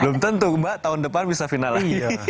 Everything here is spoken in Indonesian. belum tentu mbak tahun depan bisa final lagi